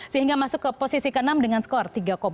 sehingga masuk ke posisi keenam dengan skor tiga lima puluh satu